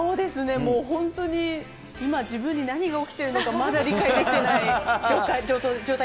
もう本当に今、自分に何が起きてるのか、まだ理解できてない状態